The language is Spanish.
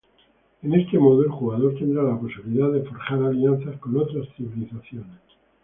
En este modo, el jugador tendrá la posibilidad de forjar alianzas con otras civilizaciones.